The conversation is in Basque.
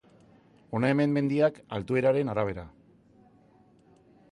Hona hemen mendiak altueraren arabera.